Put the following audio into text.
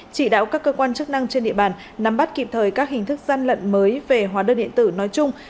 chỉ đạo các cơ quan chức năng trên địa bàn nắm bắt kịp thời các hình thức gian lận mới về hóa đơn điện tử nói chung